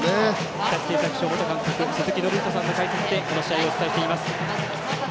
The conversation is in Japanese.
日立製作所元監督の鈴木信人さんの解説でこの試合をお伝えしています。